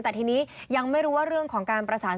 แต่ทีนี้ยังไม่รู้ว่าเรื่องของการประสาน